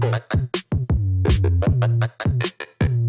rasanya saja tak sélis